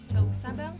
gak usah bang